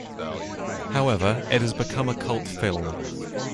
However it has become a cult film.